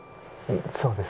そうです。